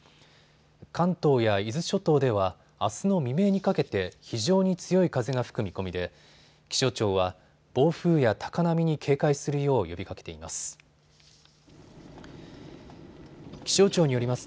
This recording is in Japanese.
関東や伊豆諸島ではあすの未明にかけて非常に強い風が吹く見込みで気象庁は暴風や高波に警戒するよう呼びかけています。